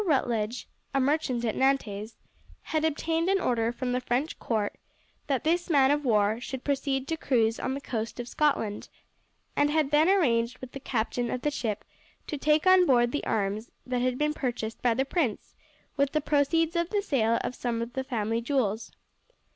Rutledge, a merchant at Nantes, had obtained an order from the French court that this man of war should proceed to cruise on the coast of Scotland, and had then arranged with the captain of the ship to take on board the arms that had been purchased by the prince with the proceeds of the sale of some of the family jewels.